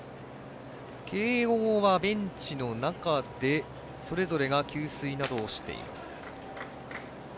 慶応はベンチの中でそれぞれが給水などをしています。